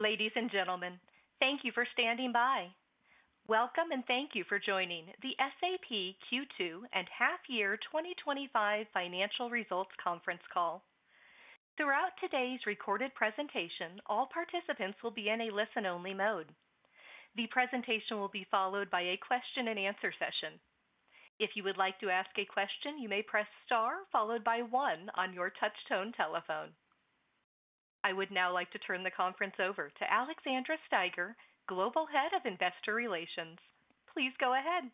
Ladies and gentlemen, thank you for standing by. Welcome and thank you for joining the SAP Q2 and Half-Year 2025 Financial Results Conference Call. Throughout today's recorded presentation, all participants will be in a listen-only mode. The presentation will be followed by a question-and-answer session. If you would like to ask a question, you may press star followed by one on your touch-tone telephone. I would now like to turn the conference over to Alexandra Steiger, Global Head of Investor Relations. Please go ahead.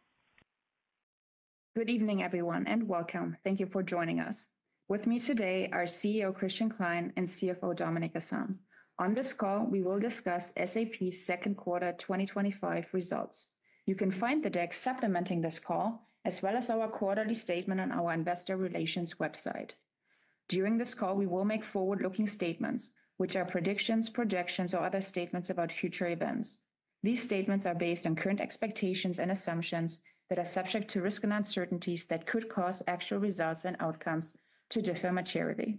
Good evening, everyone, and welcome. Thank you for joining us. With me today are CEO Christian Klein and CFO Dominik Asam. On this call, we will discuss SAP's second quarter 2025 results. You can find the deck supplementing this call, as well as our quarterly statement on our Investor Relations website. During this call, we will make forward-looking statements, which are predictions, projections, or other statements about future events. These statements are based on current expectations and assumptions that are subject to risk and uncertainties that could cause actual results and outcomes to differ materially.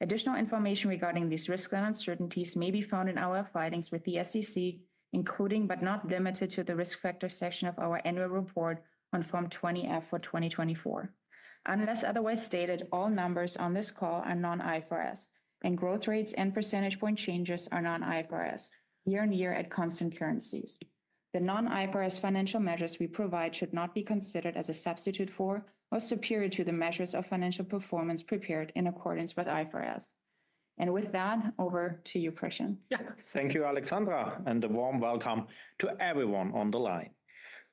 Additional information regarding these risks and uncertainties may be found in our filings with the SEC, including but not limited to the risk factor section of our annual report on Form 20-F for 2024. Unless otherwise stated, all numbers on this call are non-IFRS, and growth rates and percentage point changes are non-IFRS, year-on-year at constant currencies. The non-IFRS financial measures we provide should not be considered as a substitute for or superior to the measures of financial performance prepared in accordance with IFRS. With that, over to you, Christian. Thank you, Alexandra, and a warm welcome to everyone on the line.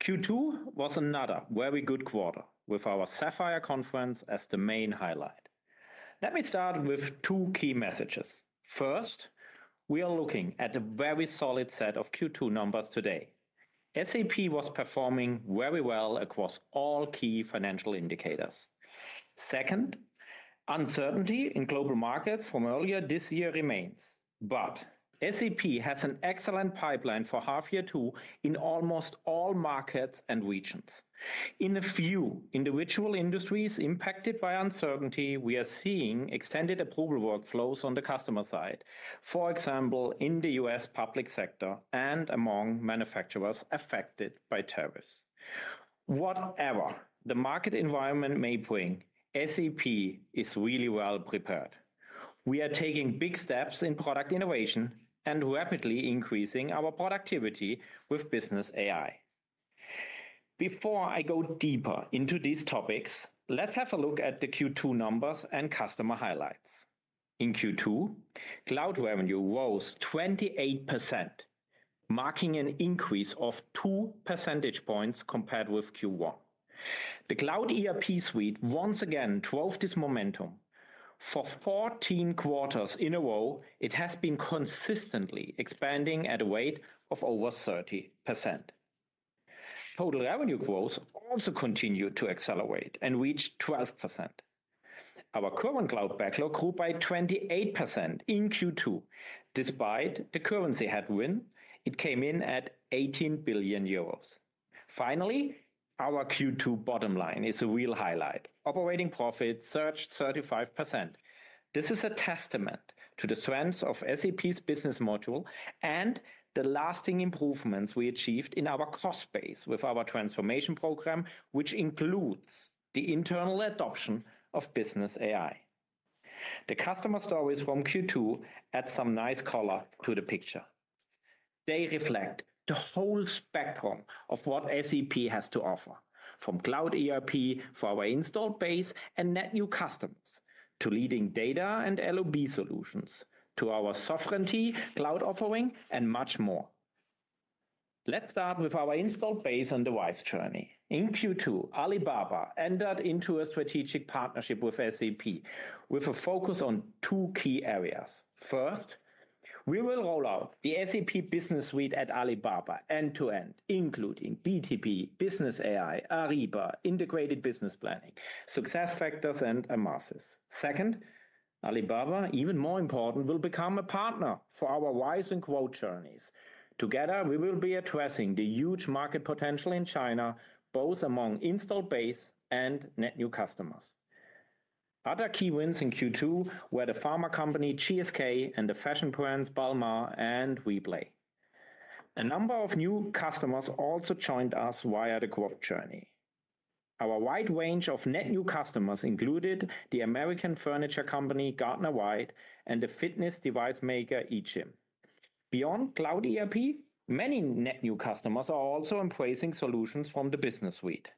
Q2 was another very good quarter, with our Sapphire conference as the main highlight. Let me start with two key messages. First, we are looking at a very solid set of Q2 numbers today. SAP was performing very well across all key financial indicators. Second, uncertainty in global markets from earlier this year remains, but SAP has an excellent pipeline for half-year two in almost all markets and regions. In a few individual industries impacted by uncertainty, we are seeing extended approval workflows on the customer side, for example, in the U.S. public sector and among manufacturers affected by tariffs. Whatever the market environment may bring, SAP is really well prepared. We are taking big steps in product innovation and rapidly increasing our productivity with Business AI. Before I go deeper into these topics, let's have a look at the Q2 numbers and customer highlights. In Q2, cloud revenue rose 28%, marking an increase of two percentage points compared with Q1. The Cloud ERP Suite once again drove this momentum. For 14 quarters in a row, it has been consistently expanding at a rate of over 30%. Total revenue growth also continued to accelerate and reached 12%. Our current cloud backlog grew by 28% in Q2. Despite the currency headwind, it came in at 18 billion euros. Finally, our Q2 bottom line is a real highlight. Operating profit surged 35%. This is a testament to the strengths of SAP's business model and the lasting improvements we achieved in our cost base with our transformation program, which includes the internal adoption of Business AI. The customer stories from Q2 add some nice color to the picture. They reflect the whole spectrum of what SAP has to offer, from cloud ERP for our installed base and net new customers to leading data and LOB solutions to our Sovereign Cloud offering and much more. Let's start with our installed base and device journey. In Q2, Alibaba entered into a strategic partnership with SAP with a focus on two key areas. First, we will roll out the SAP Business Suite at Alibaba end-to-end, including BTP, Business AI, Ariba, Integrated Business Planning, SuccessFactors, and Analytics. Second, Alibaba, even more important, will become a partner for our RISE and GROW journeys. Together, we will be addressing the huge market potential in China, both among installed base and net new customers. Other key wins in Q2 were the pharma company GSK and the fashion brands Balmain and Bally. A number of new customers also joined us via the GROW journey. Our wide range of net new customers included the American furniture company Gardner White and the fitness device maker EGYM. Beyond cloud ERP, many net new customers are also embracing solutions from the Business Suite.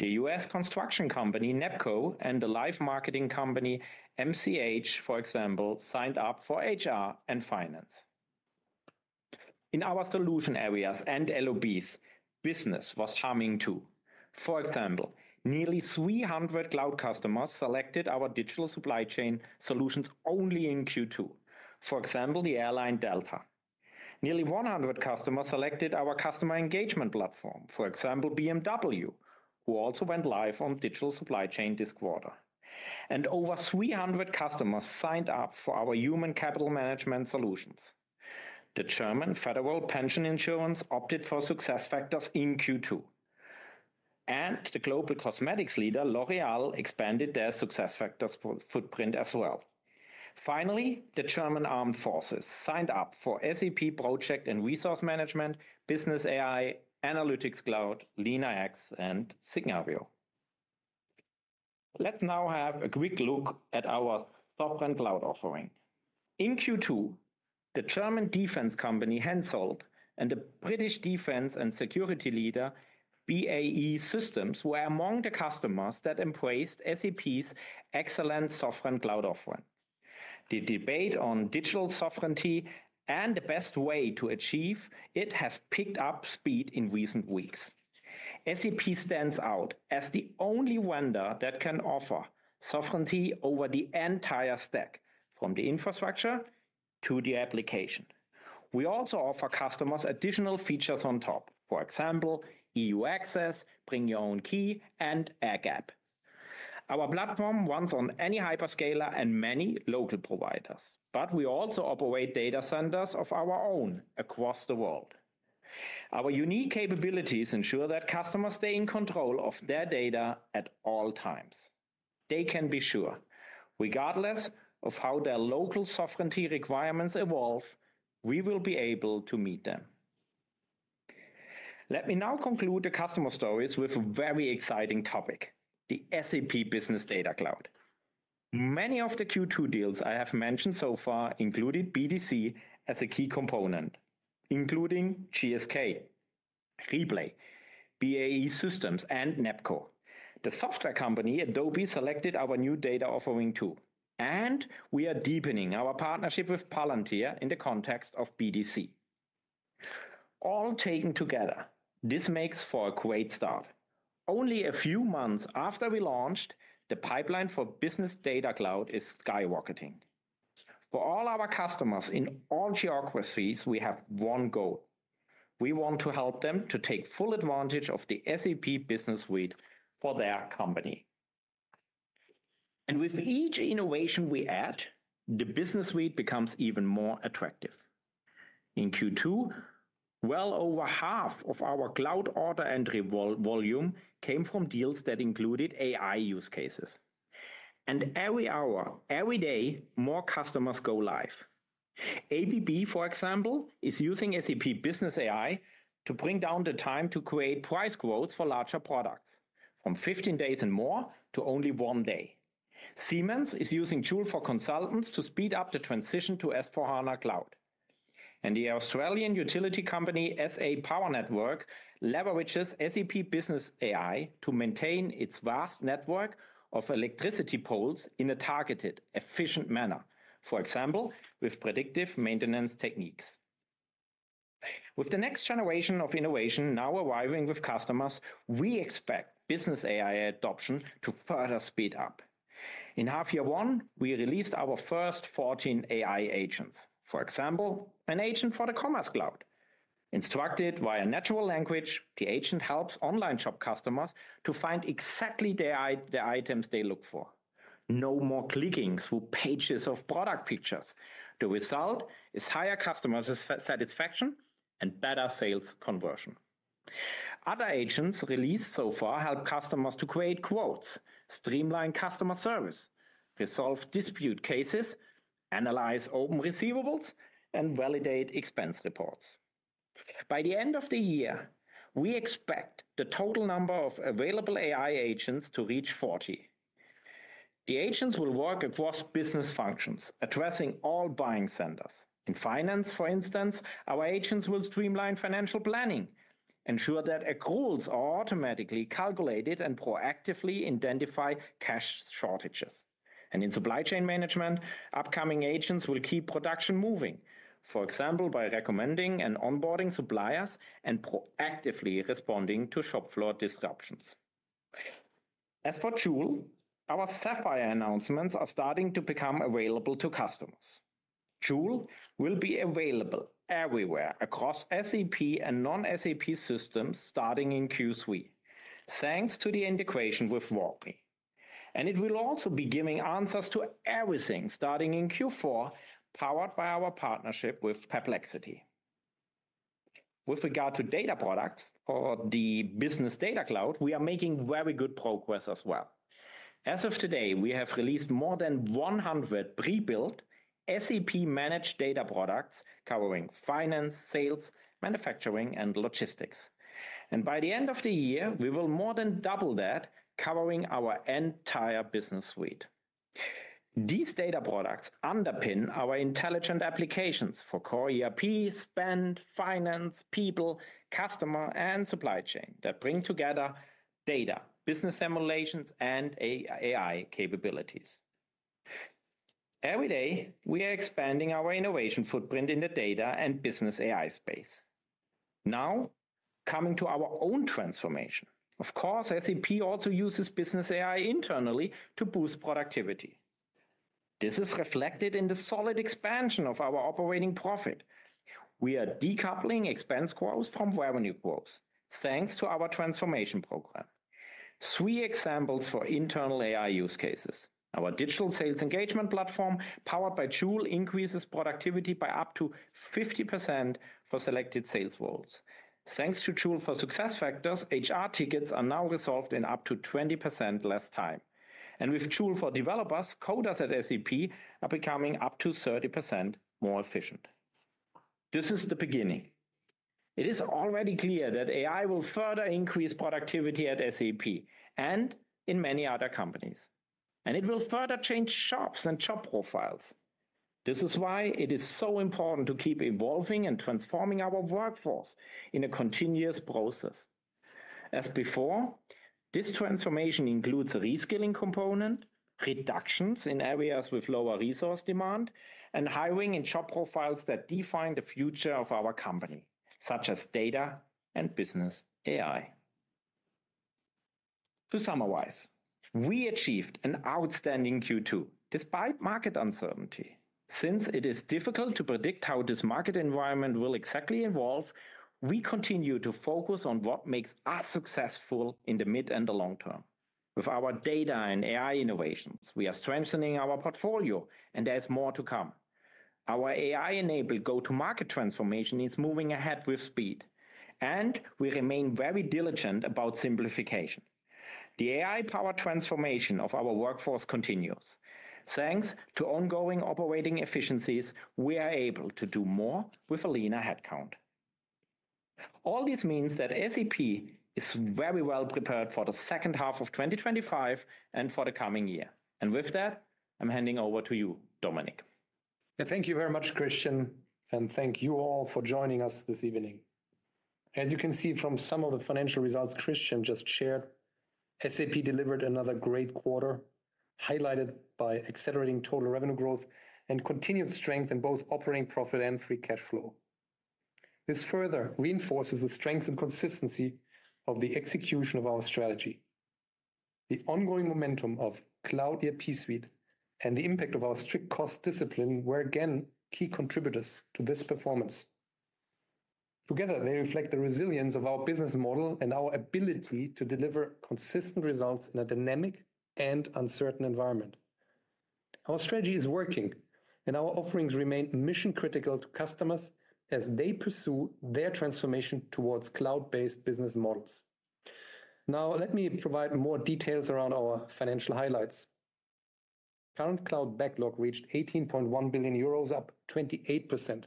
The U.S. construction company NEPCO and the live marketing company MCH Group, for example, signed up for HR and finance. In our solution areas and LOBs, business was humming too. For example, nearly 300 cloud customers selected our digital supply chain solutions only in Q2. For example, the airline Delta. Nearly 100 customers selected our customer engagement platform, for example, BMW, who also went live on digital supply chain this quarter. Over 300 customers signed up for our human capital management solutions. The German federal pension insurance opted for SuccessFactors in Q2. The global cosmetics leader L'Oréal expanded their SuccessFactors footprint as well. Finally, the German armed forces signed up for SAP Project and Resource Management, Business AI, Analytics Cloud, LeanIX, and Signavio. Let's now have a quick look at our software and cloud offering. In Q2, the German defense company Hensoldt and the British defense and security leader BAE Systems were among the customers that embraced SAP's excellent software and cloud offering. The debate on digital sovereignty and the best way to achieve it has picked up speed in recent weeks. SAP stands out as the only vendor that can offer sovereignty over the entire stack, from the infrastructure to the application. We also offer customers additional features on top, for example, EU Access, Bring Your Own Key, and Air Gap. Our platform runs on any hyperscaler and many local providers, but we also operate data centers of our own across the world. Our unique capabilities ensure that customers stay in control of their data at all times. They can be sure, regardless of how their local sovereignty requirements evolve, we will be able to meet them. Let me now conclude the customer stories with a very exciting topic, the SAP Business Data Cloud. Many of the Q2 deals I have mentioned so far included BDC as a key component, including GSK, Reebok, BAE Systems, and NEPCO. The software company Adobe selected our new data offering too, and we are deepening our partnership with Palantir in the context of BDC. All taken together, this makes for a great start. Only a few months after we launched, the pipeline for Business Data Cloud is skyrocketing. For all our customers in all geographies, we have one goal. We want to help them to take full advantage of the SAP Business Suite for their company. With each innovation we add, the Business Suite becomes even more attractive. In Q2, well over half of our cloud order entry volume came from deals that included AI use cases. Every hour, every day, more customers go live. ABB, for example, is using SAP Business AI to bring down the time to create price quotes for larger products, from 15 days and more to only one day. Siemens is using Joule for Consultants to speed up the transition to S/4HANA Cloud. The Australian utility company SA Power Networks leverages SAP Business AI to maintain its vast network of electricity poles in a targeted, efficient manner, for example, with predictive maintenance techniques. With the next generation of innovation now arriving with customers, we expect Business AI adoption to further speed up. In half-year one, we released our first 14 AI agents. For example, an agent for the Commerce Cloud. Instructed via natural language, the agent helps online shop customers to find exactly the items they look for. No more clicking through pages of product pictures. The result is higher customer satisfaction and better sales conversion. Other agents released so far help customers to create quotes, streamline customer service, resolve dispute cases, analyze open receivables, and validate expense reports. By the end of the year, we expect the total number of available AI agents to reach 40. The agents will work across business functions, addressing all buying centers. In finance, for instance, our agents will streamline financial planning, ensure that accruals are automatically calculated, and proactively identify cash shortages. In supply chain management, upcoming agents will keep production moving, for example, by recommending and onboarding suppliers and proactively responding to shop floor disruptions. As for Joule, our Sapphire announcements are starting to become available to customers. Joule will be available everywhere across SAP and non-SAP systems starting in Q3, thanks to the integration with WalkMe. It will also be giving answers to everything starting in Q4, powered by our partnership with Perplexity. With regard to data products for the Business Data Cloud, we are making very good progress as well. As of today, we have released more than 100 pre-built SAP managed data products covering finance, sales, manufacturing, and logistics. By the end of the year, we will more than double that, covering our entire Business Suite. These data products underpin our intelligent applications for core ERP, spend, finance, people, customer, and supply chain that bring together data, business simulations, and AI capabilities. Every day, we are expanding our innovation footprint in the data and Business AI space. Now, coming to our own transformation. Of course, SAP also uses Business AI internally to boost productivity. This is reflected in the solid expansion of our operating profit. We are decoupling expense growth from revenue growth, thanks to our transformation program. Three examples for internal AI use cases. Our digital sales engagement platform, powered by Joule, increases productivity by up to 50% for selected sales roles. Thanks to Joule for SuccessFactors, HR tickets are now resolved in up to 20% less time. With Joule for developers, coders at SAP are becoming up to 30% more efficient. This is the beginning. It is already clear that AI will further increase productivity at SAP and in many other companies. It will further change jobs and job profiles. This is why it is so important to keep evolving and transforming our workforce in a continuous process. As before, this transformation includes a reskilling component, reductions in areas with lower resource demand, and hiring in job profiles that define the future of our company, such as data and Business AI. To summarize, we achieved an outstanding Q2 despite market uncertainty. Since it is difficult to predict how this market environment will exactly evolve, we continue to focus on what makes us successful in the mid and the long term. With our data and AI innovations, we are strengthening our portfolio, and there is more to come. Our AI-enabled go-to-market transformation is moving ahead with speed, and we remain very diligent about simplification. The AI-powered transformation of our workforce continues. Thanks to ongoing operating efficiencies, we are able to do more with a leaner headcount. All this means that SAP is very well prepared for the second half of 2025 and for the coming year. With that, I'm handing over to you, Dominik. Thank you very much, Christian, and thank you all for joining us this evening. As you can see from some of the financial results Christian just shared, SAP delivered another great quarter, highlighted by accelerating total revenue growth and continued strength in both operating profit and free cash flow. This further reinforces the strength and consistency of the execution of our strategy. The ongoing momentum of Cloud ERP Suite and the impact of our strict cost discipline were again key contributors to this performance. Together, they reflect the resilience of our business model and our ability to deliver consistent results in a dynamic and uncertain environment. Our strategy is working, and our offerings remain mission-critical to customers as they pursue their transformation towards cloud-based business models. Now, let me provide more details around our financial highlights. Current cloud backlog reached 18.1 billion euros, up 28%.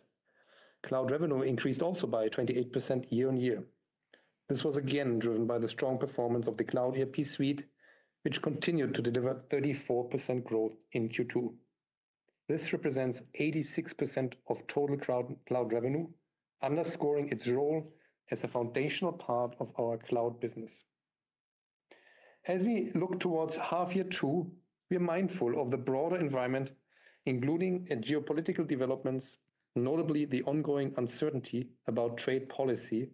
Cloud revenue increased also by 28% year on year. This was again driven by the strong performance of the Cloud ERP Suite, which continued to deliver 34% growth in Q2. This represents 86% of total cloud revenue, underscoring its role as a foundational part of our cloud business. As we look towards half-year two, we are mindful of the broader environment, including geopolitical developments, notably the ongoing uncertainty about trade policy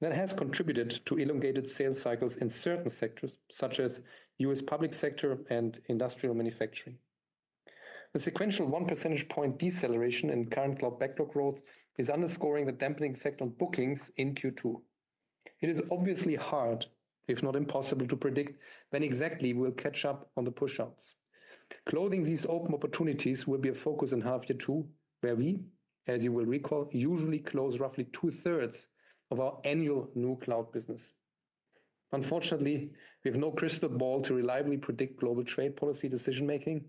that has contributed to elongated sales cycles in certain sectors, such as U.S. public sector and industrial manufacturing. The sequential one percentage point deceleration in current cloud backlog growth is underscoring the dampening effect on bookings in Q2. It is obviously hard, if not impossible, to predict when exactly we'll catch up on the push-outs. Closing these open opportunities will be a focus in half-year two, where we, as you will recall, usually close roughly two-thirds of our annual new cloud business. Unfortunately, we have no crystal ball to reliably predict global trade policy decision-making,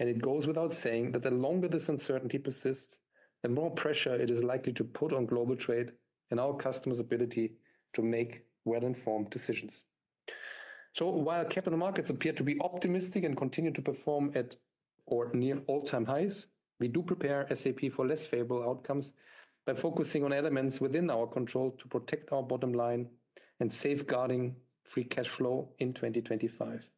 and it goes without saying that the longer this uncertainty persists, the more pressure it is likely to put on global trade and our customers' ability to make well-informed decisions. While capital markets appear to be optimistic and continue to perform at or near all-time highs, we do prepare SAP for less favorable outcomes by focusing on elements within our control to protect our bottom line and safeguarding free cash flow in 2025.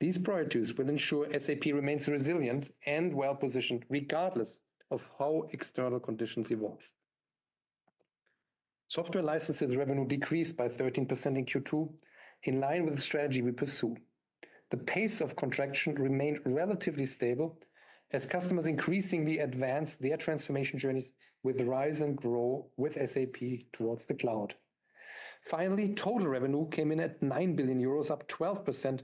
These priorities will ensure SAP remains resilient and well-positioned regardless of how external conditions evolve. Software licenses revenue decreased by 13% in Q2, in line with the strategy we pursue. The pace of contraction remained relatively stable as customers increasingly advanced their transformation journeys with RISE and GROW with SAP towards the cloud. Finally, total revenue came in at 9 billion euros, up 12%,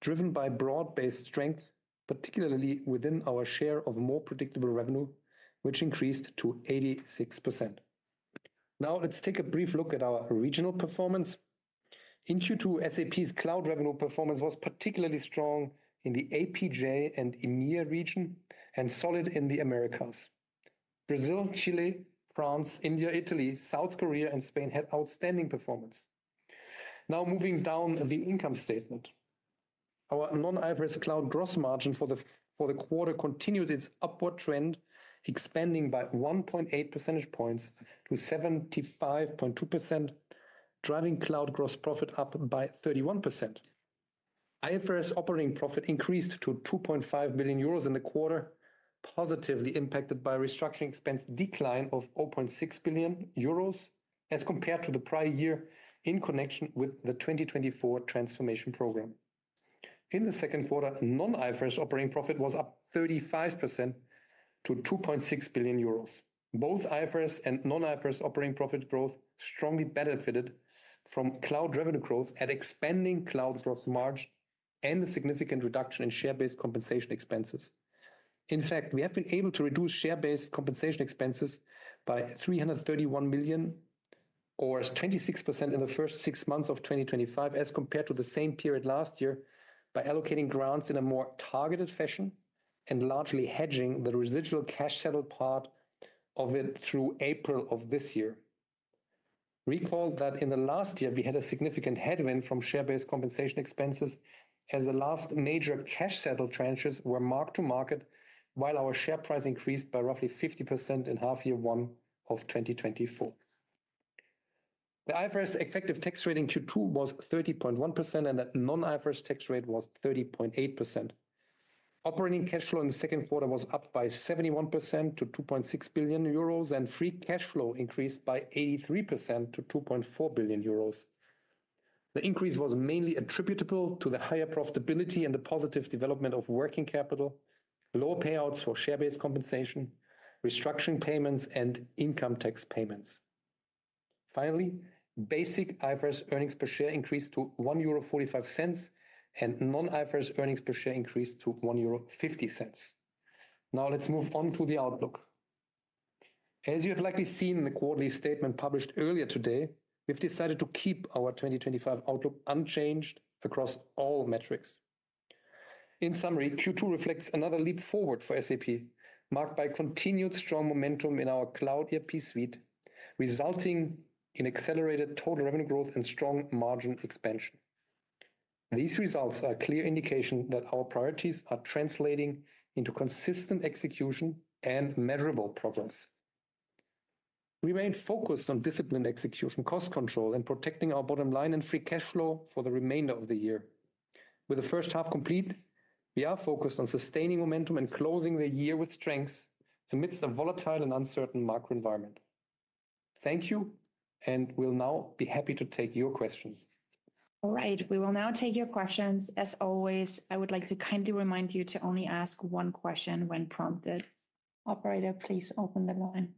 driven by broad-based strength, particularly within our share of more predictable revenue, which increased to 86%. Now, let's take a brief look at our regional performance. In Q2, SAP's cloud revenue performance was particularly strong in the APJ and EMEA region and solid in the Americas. Brazil, Chile, France, India, Italy, South Korea, and Spain had outstanding performance. Now, moving down the income statement, our non-IFRS cloud gross margin for the quarter continued its upward trend, expanding by 1.8 percentage points to 75.2%, driving cloud gross profit up by 31%. IFRS operating profit increased to 2.5 billion euros in the quarter, positively impacted by restructuring expense decline of 0.6 billion euros as compared to the prior year in connection with the 2024 transformation program. In the second quarter, non-IFRS operating profit was up 35% to 2.6 billion euros. Both IFRS and non-IFRS operating profit growth strongly benefited from cloud revenue growth at expanding cloud gross margin and a significant reduction in share-based compensation expenses. In fact, we have been able to reduce share-based compensation expenses by 331 million or 26% in the first six months of 2025 as compared to the same period last year by allocating grants in a more targeted fashion and largely hedging the residual cash-settled part of it through April of this year. Recall that in the last year, we had a significant headwind from share-based compensation expenses as the last major cash-settled tranches were marked to market, while our share price increased by roughly 50% in half-year one of 2024. The IFRS effective tax rate in Q2 was 30.1%, and that non-IFRS tax rate was 30.8%. Operating cash flow in the second quarter was up by 71% to 2.6 billion euros, and free cash flow increased by 83% to 2.4 billion euros. The increase was mainly attributable to the higher profitability and the positive development of working capital, lower payouts for share-based compensation, restructuring payments, and income tax payments. Finally, basic IFRS earnings per share increased to 1.45 euro, and non-IFRS earnings per share increased to 1.50 euro. Now, let's move on to the outlook. As you have likely seen in the quarterly statement published earlier today, we've decided to keep our 2025 outlook unchanged across all metrics. In summary, Q2 reflects another leap forward for SAP, marked by continued strong momentum in our Cloud ERP Suite, resulting in accelerated total revenue growth and strong margin expansion. These results are a clear indication that our priorities are translating into consistent execution and measurable progress. We remain focused on discipline execution, cost control, and protecting our bottom line and free cash flow for the remainder of the year. With the first half complete, we are focused on sustaining momentum and closing the year with strength amidst a volatile and uncertain macro environment. Thank you, and we'll now be happy to take your questions. All right, we will now take your questions. As always, I would like to kindly remind you to only ask one question when prompted. Operator, please open the line.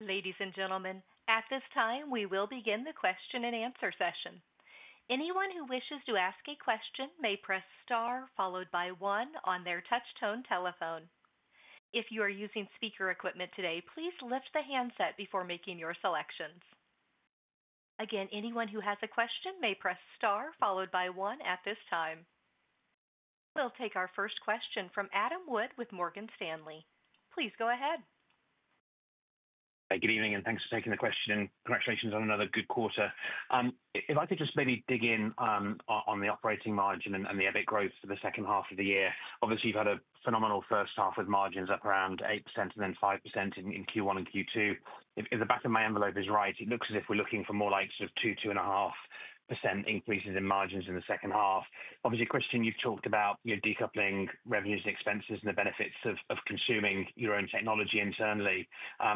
Ladies and gentlemen, at this time, we will begin the question and answer session. Anyone who wishes to ask a question may press star followed by one on their touch-tone telephone. If you are using speaker equipment today, please lift the handset before making your selections. Again, anyone who has a question may press star followed by one at this time. We'll take our first question from Adam Wood with Morgan Stanley. Please go ahead. Good evening, and thanks for taking the question. Congratulations on another good quarter. If I could just maybe dig in on the operating margin and the EBIT growth for the second half of the year. Obviously, you've had a phenomenal first half with margins up around 8% and then 5% in Q1 and Q2. If the back of my envelope is right, it looks as if we're looking for more like 2-2.5% increases in margins in the second half. Obviously, Christian, you've talked about decoupling revenues and expenses and the benefits of consuming your own technology internally,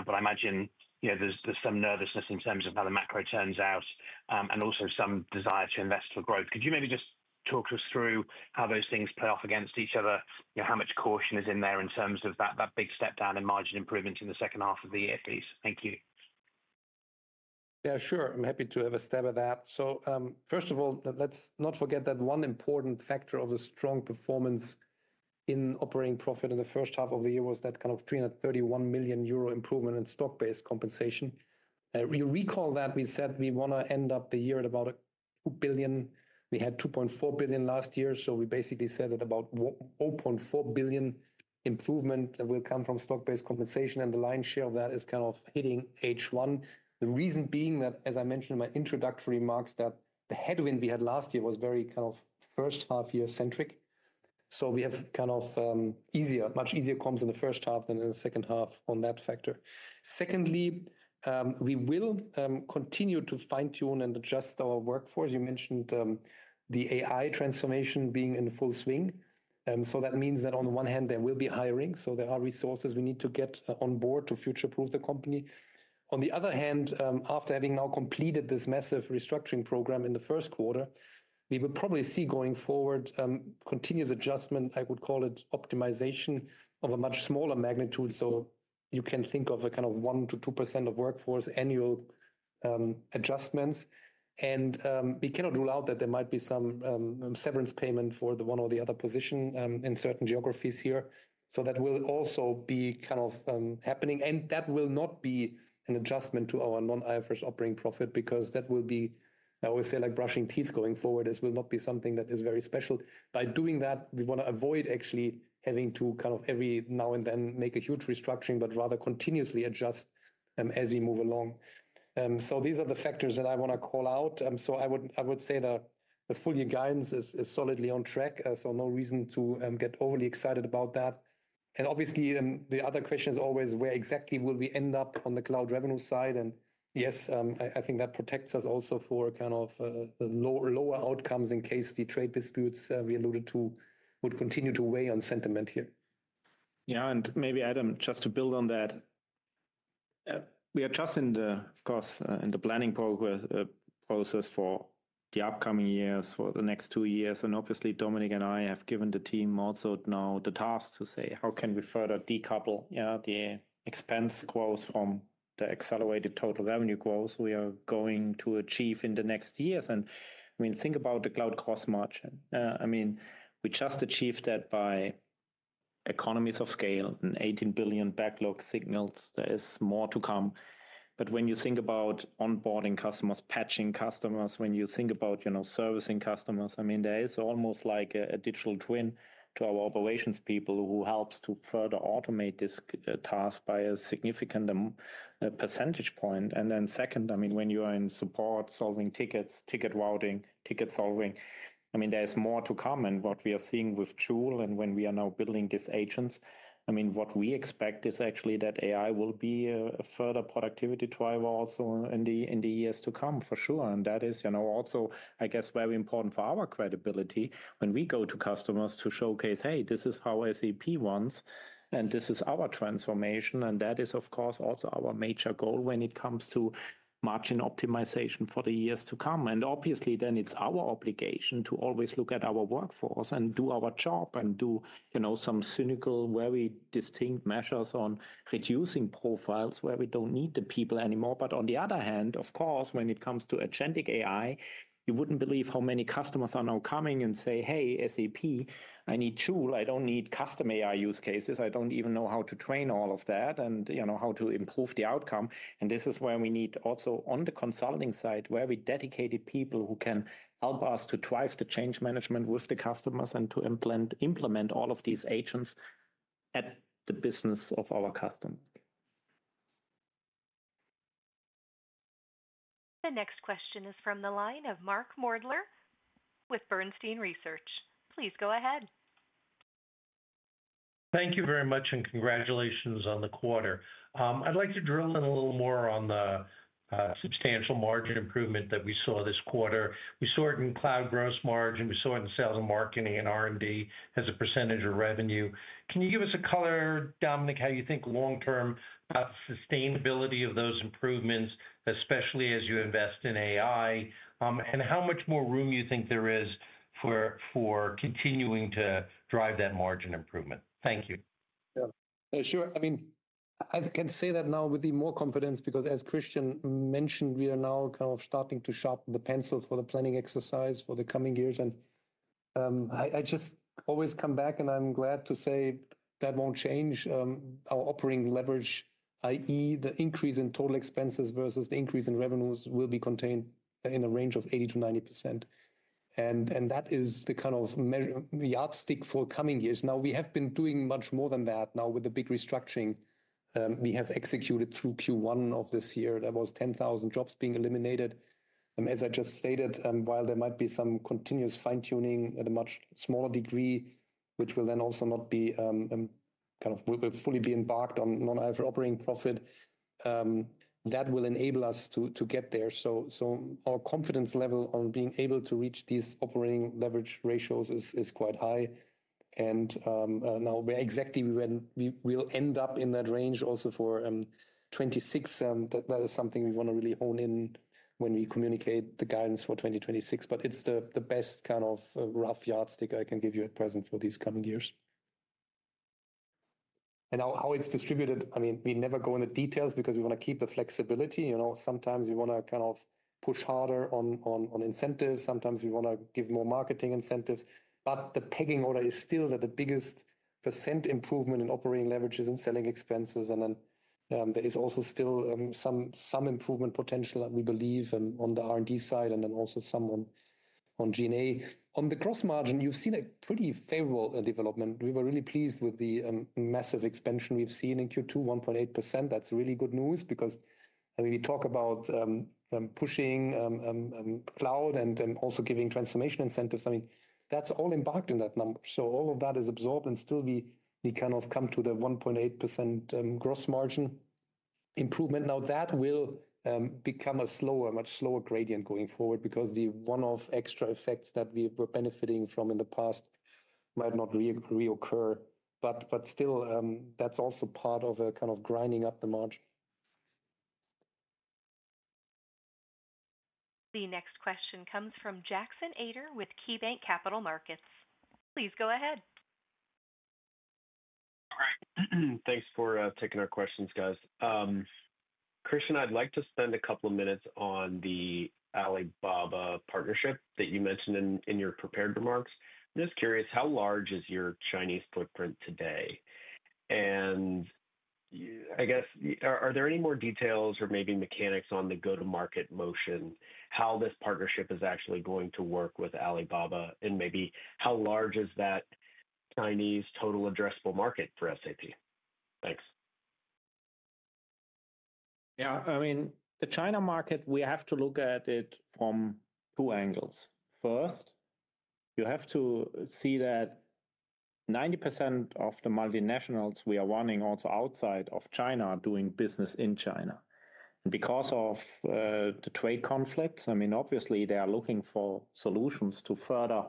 but I imagine there's some nervousness in terms of how the macro turns out and also some desire to invest for growth. Could you maybe just talk us through how those things play off against each other? How much caution is in there in terms of that big step down in margin improvement in the second half of the year, please? Thank you. Yeah, sure. I'm happy to have a stab at that. First of all, let's not forget that one important factor of the strong performance in operating profit in the first half of the year was that kind of 331 million euro improvement in stock-based compensation. You recall that we said we want to end up the year at about 2 billion. We had 2.4 billion last year. We basically said that about 0.4 billion improvement that will come from stock-based compensation, and the lion's share of that is kind of hitting H1. The reason being that, as I mentioned in my introductory remarks, the headwind we had last year was very kind of first half-year centric. We have much easier comps in the first half than in the second half on that factor. Secondly, we will continue to fine-tune and adjust our workforce. You mentioned the AI transformation being in full swing. That means that on the one hand, there will be hiring. There are resources we need to get on board to future-proof the company. On the other hand, after having now completed this massive restructuring program in the first quarter, we will probably see going forward continuous adjustment, I would call it optimization of a much smaller magnitude. You can think of a kind of 1-2% of workforce annual adjustments. We cannot rule out that there might be some severance payment for the one or the other position in certain geographies here. That will also be kind of happening. That will not be an adjustment to our non-IFRS operating profit because that will be, I always say, like brushing teeth going forward. This will not be something that is very special. By doing that, we want to avoid actually having to kind of every now and then make a huge restructuring, but rather continuously adjust as we move along. These are the factors that I want to call out. I would say that the full guidance is solidly on track. No reason to get overly excited about that. Obviously, the other question is always, where exactly will we end up on the cloud revenue side? Yes, I think that protects us also for kind of lower outcomes in case the trade disputes we alluded to would continue to weigh on sentiment here. Yeah, and maybe Adam, just to build on that, we are just in the, of course, in the planning process for the upcoming years, for the next two years. Obviously, Dominik and I have given the team also now the task to say, how can we further decouple the expense growth from the accelerated total revenue growth we are going to achieve in the next years? I mean, think about the cloud gross margin. I mean, we just achieved that by economies of scale and 18 billion backlog signals there is more to come. When you think about onboarding customers, patching customers, when you think about, you know, servicing customers, I mean, there is almost like a digital twin to our operations people who helps to further automate this task by a significant percentage point. Second, I mean, when you are in support, solving tickets, ticket routing, ticket solving, I mean, there is more to come. What we are seeing with Joule and when we are now building these agents, I mean, what we expect is actually that AI will be a further productivity driver also in the years to come, for sure. That is, you know, also, I guess, very important for our credibility when we go to customers to showcase, hey, this is how SAP wants, and this is our transformation. That is, of course, also our major goal when it comes to margin optimization for the years to come. Obviously, then it's our obligation to always look at our workforce and do our job and do, you know, some cynical, very distinct measures on reducing profiles where we don't need the people anymore. On the other hand, of course, when it comes to agentic AI, you would not believe how many customers are now coming and say, hey, SAP, I need Joule. I do not need custom AI use cases. I do not even know how to train all of that and, you know, how to improve the outcome. This is where we need also on the consulting side, where we dedicated people who can help us to drive the change management with the customers and to implement all of these agents at the business of our customers. The next question is from the line of Mark Moerdler with Bernstein Research. Please go ahead. Thank you very much and congratulations on the quarter. I would like to drill in a little more on the substantial margin improvement that we saw this quarter. We saw it in cloud gross margin. We saw it in sales and marketing and R&D as a percentage of revenue. Can you give us a color, Dominik, how you think long-term sustainability of those improvements, especially as you invest in AI, and how much more room you think there is for continuing to drive that margin improvement? Thank you. Yeah, sure. I mean, I can say that now with more confidence because, as Christian mentioned, we are now kind of starting to sharpen the pencil for the planning exercise for the coming years. I just always come back, and I'm glad to say that will not change. Our operating leverage, i.e., the increase in total expenses versus the increase in revenues, will be contained in a range of 80-90%. That is the kind of yardstick for coming years. We have been doing much more than that. Now, with the big restructuring we have executed through Q1 of this year, there was 10,000 jobs being eliminated. As I just stated, while there might be some continuous fine-tuning at a much smaller degree, which will then also not be kind of fully embarked on non-IFRS operating profit, that will enable us to get there. Our confidence level on being able to reach these operating leverage ratios is quite high. Now where exactly we will end up in that range also for 2026, that is something we want to really hone in when we communicate the guidance for 2026. It is the best kind of rough yardstick I can give you at present for these coming years. How it is distributed, I mean, we never go into details because we want to keep the flexibility. You know, sometimes we want to kind of push harder on incentives. Sometimes we want to give more marketing incentives. But the pegging order is still that the biggest % improvement in operating leverages and selling expenses. And then there is also still some improvement potential, we believe, on the R&D side and then also some on G&A. On the gross margin, you've seen a pretty favorable development. We were really pleased with the massive expansion we've seen in Q2, 1.8%. That's really good news because we talk about pushing cloud and also giving transformation incentives. I mean, that's all embarked in that number. So all of that is absorbed and still we kind of come to the 1.8% gross margin improvement. Now, that will become a slower, much slower gradient going forward because the one-off extra effects that we were benefiting from in the past might not reoccur. Still, that's also part of a kind of grinding up the margin. The next question comes from Jackson Ader with KeyBanc Capital Markets. Please go ahead. All right. Thanks for taking our questions, guys. Christian, I'd like to spend a couple of minutes on the Alibaba partnership that you mentioned in your prepared remarks. I'm just curious, how large is your Chinese footprint today? I guess, are there any more details or maybe mechanics on the go-to-market motion, how this partnership is actually going to work with Alibaba, and maybe how large is that Chinese total addressable market for SAP? Thanks. Yeah, I mean, the China market, we have to look at it from two angles. First, you have to see that 90% of the multinationals we are warning also outside of China are doing business in China. Because of the trade conflicts, I mean, obviously, they are looking for solutions to further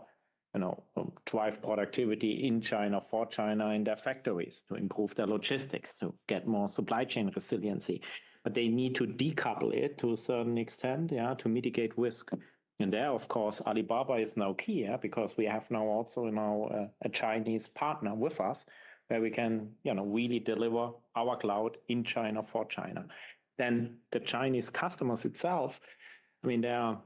drive productivity in China for China in their factories to improve their logistics, to get more supply chain resiliency. They need to decouple it to a certain extent, yeah, to mitigate risk. There, of course, Alibaba is now key because we have now also a Chinese partner with us where we can really deliver our cloud in China for China. The Chinese customers itself, I mean, there are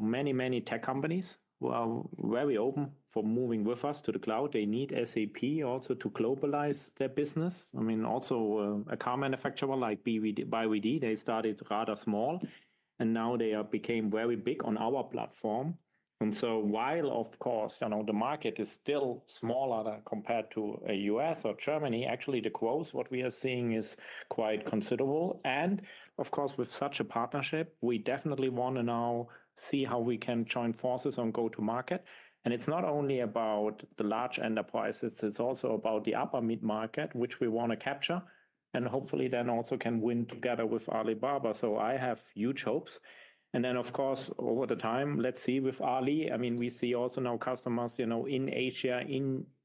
many, many tech companies who are very open for moving with us to the cloud. They need SAP also to globalize their business. I mean, also a car manufacturer like BYD, they started rather small, and now they became very big on our platform. Of course, the market is still smaller compared to a U.S. or Germany, actually the growth, what we are seeing is quite considerable. Of course, with such a partnership, we definitely want to now see how we can join forces on go-to-market. It is not only about the large enterprises, it is also about the upper mid-market, which we want to capture and hopefully then also can win together with Alibaba. I have huge hopes. Over the time, let's see with Ali, I mean, we see also now customers in Asia,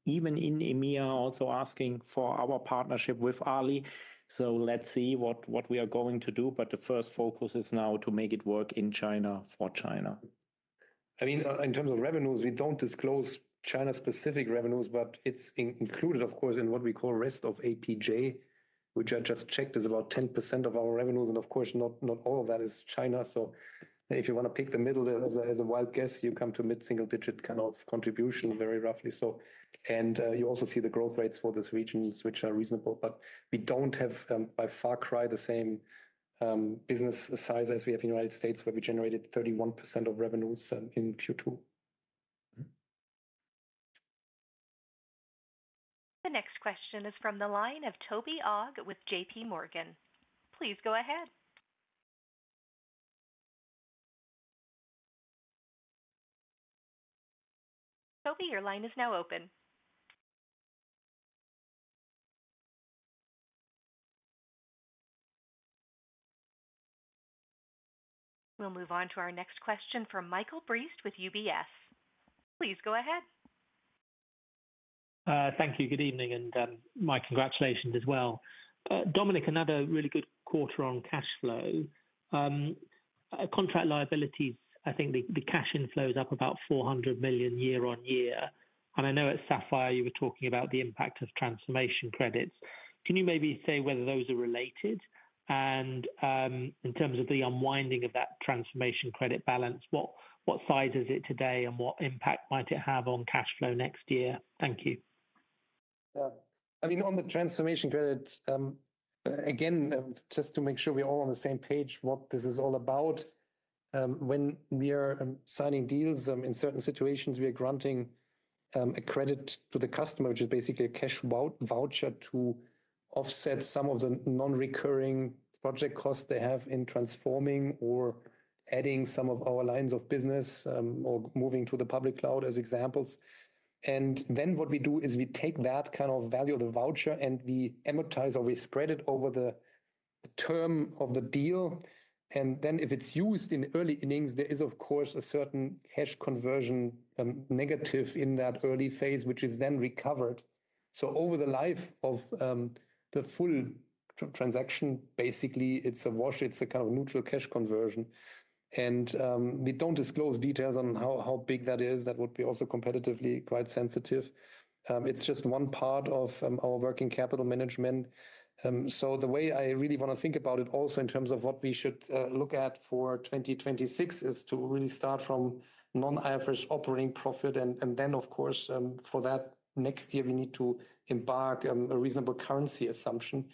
even in EMEA, also asking for our partnership with Ali. Let's see what we are going to do. The first focus is now to make it work in China for China. I mean, in terms of revenues, we don't disclose China-specific revenues, but it's included, of course, in what we call rest of APJ, which I just checked is about 10% of our revenues. Of course, not all of that is China. If you want to pick the middle as a wild guess, you come to mid-single-digit kind of contribution very roughly. You also see the growth rates for these regions, which are reasonable. We don't have by far cry the same business size as we have in the United States, where we generated 31% of revenues in Q2. The next question is from the line of Toby Ogg with JP Morgan. Please go ahead. Toby, your line is now open. We'll move on to our next question from Michael Briest with UBS. Please go ahead. Thank you. Good evening and my congratulations as well. Dominik, another really good quarter on cash flow. Contract liabilities, I think the cash inflow is up about $400 million year on year. I know at Sapphire, you were talking about the impact of transformation credits. Can you maybe say whether those are related? In terms of the unwinding of that transformation credit balance, what size is it today and what impact might it have on cash flow next year? Thank you. Yeah. I mean, on the transformation credit, again, just to make sure we're all on the same page, what this is all about. When we are signing deals, in certain situations, we are granting a credit to the customer, which is basically a cash voucher to offset some of the non-recurring project costs they have in transforming or adding some of our lines of business or moving to the public cloud as examples. What we do is we take that kind of value of the voucher and we amortize or we spread it over the term of the deal. If it is used in early innings, there is, of course, a certain cash conversion negative in that early phase, which is then recovered. Over the life of the full transaction, basically, it is a wash, it is a kind of neutral cash conversion. We do not disclose details on how big that is. That would be also competitively quite sensitive. It is just one part of our working capital management. The way I really want to think about it also in terms of what we should look at for 2026 is to really start from non-IFRS operating profit. For that next year, we need to embark on a reasonable currency assumption.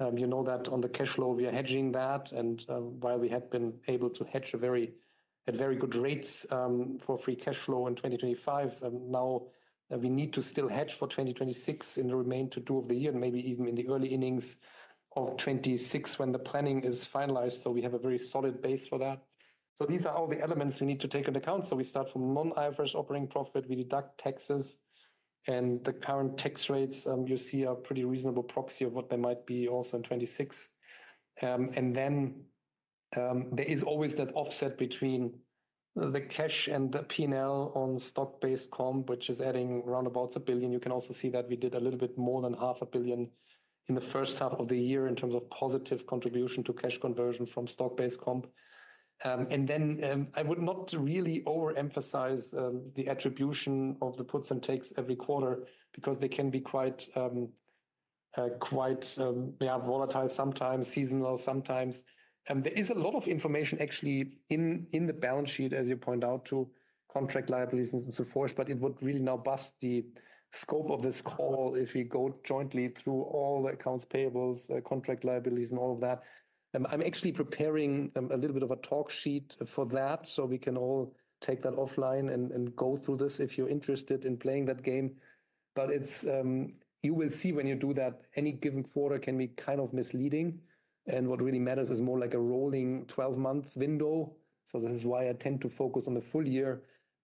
You know that on the cash flow, we are hedging that. While we had been able to hedge at very good rates for free cash flow in 2025, now we need to still hedge for 2026 in the remaining to-do of the year and maybe even in the early innings of 2026 when the planning is finalized. We have a very solid base for that. These are all the elements we need to take into account. We start from non-IFRS operating profit. We deduct taxes. The current tax rates you see are a pretty reasonable proxy of what they might be also in 2026. There is always that offset between the cash and the P&L on stock-based comp, which is adding roundabouts €1 billion. You can also see that we did a little bit more than $0.5 billion in the first half of the year in terms of positive contribution to cash conversion from stock-based comp. I would not really overemphasize the attribution of the puts and takes every quarter because they can be quite volatile sometimes, seasonal sometimes. There is a lot of information actually in the balance sheet, as you point out, to contract liabilities and so forth. It would really now bust the scope of this call if we go jointly through all the accounts payables, contract liabilities, and all of that. I'm actually preparing a little bit of a talk sheet for that so we can all take that offline and go through this if you're interested in playing that game. You will see when you do that, any given quarter can be kind of misleading. What really matters is more like a rolling 12-month window. This is why I tend to focus on the full year.